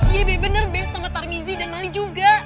iya be bener be sama tarmizi dan mali juga